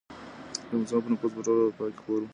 د مذهب نفوذ په ټوله اروپا کي خپور و.